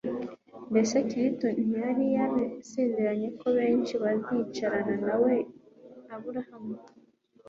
Mbese Kristo ntiyari yarasezeranye ko benshi bazicarana na Aburahamu